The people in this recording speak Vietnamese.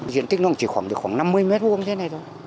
diện tích nó chỉ khoảng được khoảng năm mươi m hai như thế này thôi